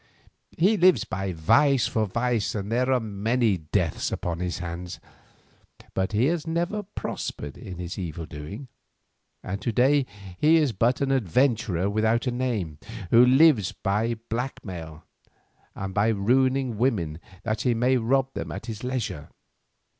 He lives by vice for vice, and there are many deaths upon his hands. But he has never prospered in his evil doing, and to day he is but an adventurer without a name, who lives by blackmail, and by ruining women that he may rob them at his leisure.